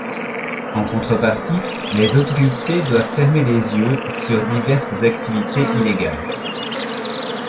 En contrepartie, les autorités doivent fermer les yeux sur ses diverses activités illégales.